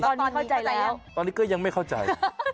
ตอนนี้เข้าใจแล้วตอนนี้ก็ยังไม่เข้าใจ